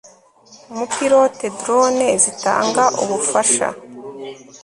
umu pilote drone zitanga ubufasha